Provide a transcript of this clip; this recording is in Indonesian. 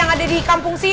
oh kasihan bisa